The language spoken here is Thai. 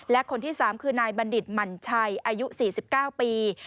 และคนที่๓คือนายบัณฑิตหมั่นชัยอายุ๔๙ปี